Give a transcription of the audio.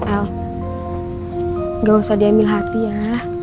el nggak usah diambil hati ya